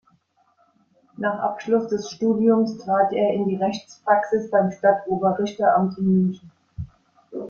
Nach Abschluss des Studiums trat er in die Rechtspraxis beim Stadt-Oberrichteramt in München.